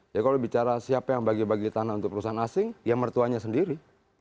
jadi kalau bicara siapa yang bagi bagi tanah untuk perusahaan asing ya mertuanya sendiri